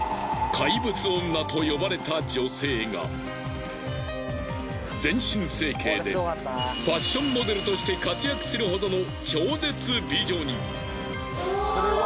怪物女と呼ばれた女性が全身整形でファッションモデルとして活躍するほどの超絶美女に。